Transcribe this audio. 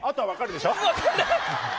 分からない。